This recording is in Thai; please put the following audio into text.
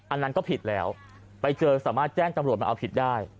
อันนั้นก็ผิดแล้วไปเจอสามารถแจ้งจำรวจมาเอาผิดได้